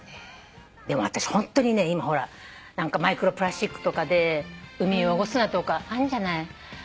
でも私ホントにね今ほら何かマイクロプラスチックとかで海汚すなとかあんじゃない。